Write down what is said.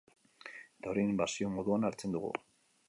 Eta hori inbasio moduan hartzen dugu.